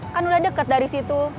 kan udah deket dari situ